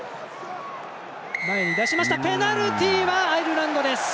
ペナルティはアイルランドです。